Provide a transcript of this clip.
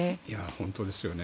本当ですよね。